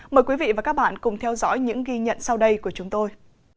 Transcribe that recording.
mời quý vị và các bạn cùng theo dõi những ghi nhận sau đây của chúng tôi